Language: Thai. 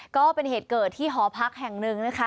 ก็เป็นเหตุเกิดที่หอพักแห่งหนึ่งนะคะ